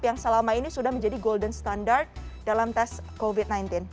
yang selama ini sudah menjadi golden standard dalam tes covid sembilan belas